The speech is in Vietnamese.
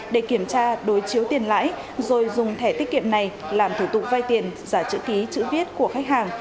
để kiểm tra đối chiếu tiền lãi rồi dùng thẻ tiết kiệm này làm thủ tục vay tiền giả chữ ký chữ viết của khách hàng